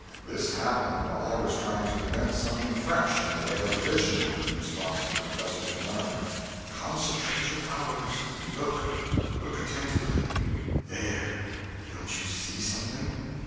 This happened while I was trying to invent something fresh in the way of a vision, in response to the professor's remark "Concentrate your powers. Look look attentively. There don't you see something?